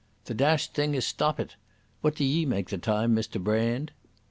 "The dashed thing has stoppit. What do ye make the time, Mr Brand?"